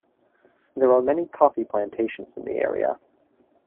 There are many coffee plantations in the area.